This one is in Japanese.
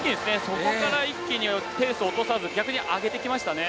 そこからペースを落とさず逆に上げてきましたね。